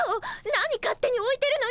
何勝手においてるのよ！